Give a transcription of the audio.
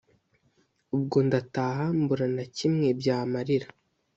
ubwo ndataha mbura na kimwe byamarira.